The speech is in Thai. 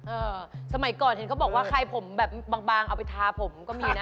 สมัยก่อนเห็นเขาบอกว่าใครผมแบบบางเอาไปทาผมก็มีนะ